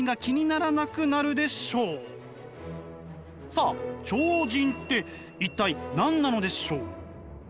さあ超人って一体何なのでしょう？